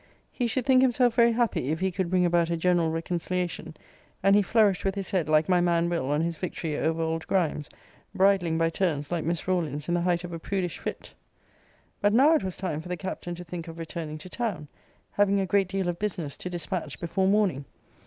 He should think himself very happy, if he could bring about a general reconciliation; and he flourished with his head like my man Will. on his victory over old Grimes; bridling by turns, like Miss Rawlins in the height of a prudish fit. But now it was time for the Captain to think of returning to town, having a great deal of business to dispatch before morning.